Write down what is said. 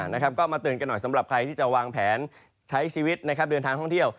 นะครับก็มาเตือนกันหน่อยสำหรับใครที่จะวางแผนใช้ชีวิตนะครับเดินทางท่องเที่ยว